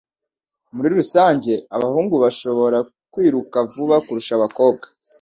Muri rusange, abahungu barashobora kwiruka vuba kurusha abakobwa.